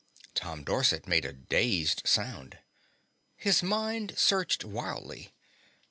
Tom Dorset made a dazed sound. His mind searched wildly.